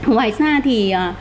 ngoài ra thì